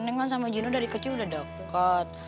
neng kan sama jino dari kecil udah deket